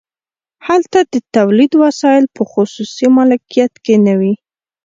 هلته د تولید وسایل په خصوصي مالکیت کې نه وي